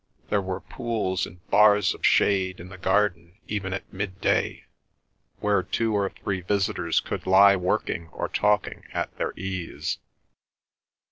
There were pools and bars of shade in the garden even at midday, where two or three visitors could lie working or talking at their ease.